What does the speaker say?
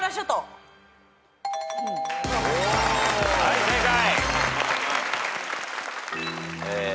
はい正解。